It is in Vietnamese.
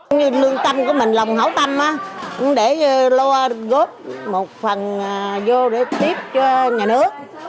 như lương tanh của mình lòng hấu tanh để loa góp một phần vô để tiếp cho nhà nước